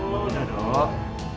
oh udah dong